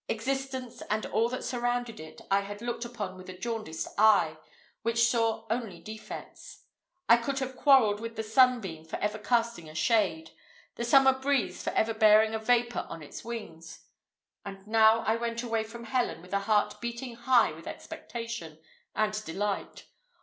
Existence, and all that surrounded it, I had looked upon with a jaundiced eye, which saw only defects. I could have quarrelled with the sunbeam for ever casting a shade the summer breeze for ever bearing a vapour on its wings; and now I went away from Helen with a heart beating high with expectation and delight!